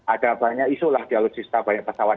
ada banyak isulah di alutsista banyak pesawat